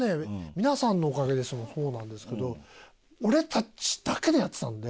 『みなさんのおかげです。』もそうなんですけど俺たちだけでやってたんで。